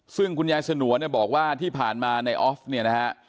ซึ่งคุณยายสนวนเนี่ยบอกว่าที่ผ่านมาในออฟเนี่ยนะฮะ